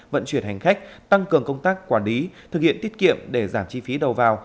vận chuyển hành khách tăng cường công tác quản lý thực hiện tiết kiệm để giảm chi phí đầu vào